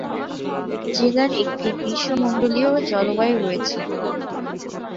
জেলার একটি গ্রীষ্মমণ্ডলীয় জলবায়ু রয়েছে।